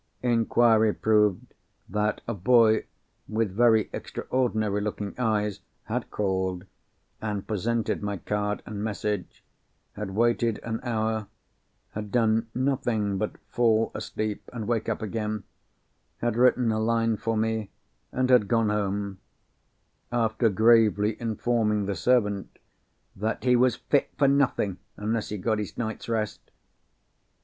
Inquiry proved that a boy, with very extraordinary looking eyes, had called, and presented my card and message, had waited an hour, had done nothing but fall asleep and wake up again, had written a line for me, and had gone home—after gravely informing the servant that "he was fit for nothing unless he got his night's rest."